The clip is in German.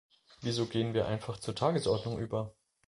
Wieso gehen wir einfach zur Tagesordnung über?